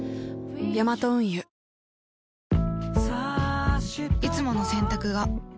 ヤマト運輸いつもの洗濯が